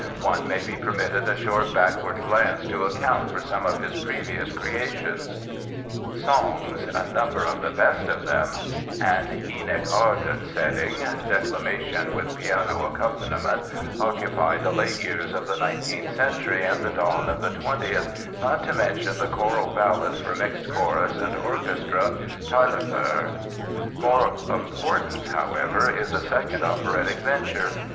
One may be permitted a short backward glance to account for some of his previous creations. Songs (a number of the best of them), an "Enoch Arden" setting (declamation with piano accompaniment) occupy the late years of the 19th Century and the dawn of the 20th, not to mention the choral ballad for mixed chorus and orchestra Taillefer. More important, however, is a second operatic venture.